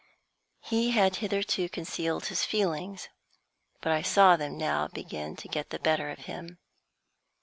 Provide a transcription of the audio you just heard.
He had hitherto concealed his feelings, but I saw them now begin to get the better of him.